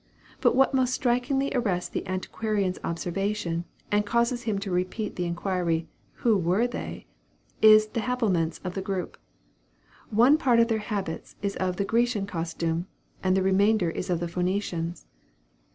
But what most strikingly arrests the antiquarian's observation, and causes him to repeat the inquiry, "who were they?" is the habiliments of the group. One part of their habit is of the Grecian costume, and the remainder is of the Phoenicians.